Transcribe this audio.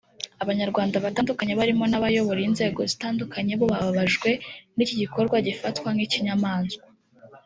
abanyarwanda batandukanye barimo n’abayobora inzego zitandukanye bo bababajwe n’iki gikorwa gifatwa nk’icya kinyamaswa